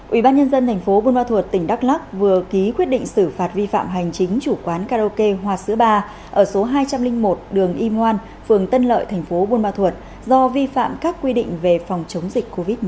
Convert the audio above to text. ủy ban nhân dân thành phố buôn ba thuột tỉnh đắk lắc vừa ký quyết định xử phạt vi phạm hành chính chủ quán karaoke hoa sữa ba ở số hai trăm linh một đường y ngoan phường tân lợi thành phố buôn ba thuột do vi phạm các quy định về phòng chống dịch covid một mươi chín